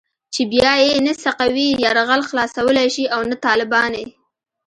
چې بيا يې نه سقوي يرغل خلاصولای شي او نه طالباني.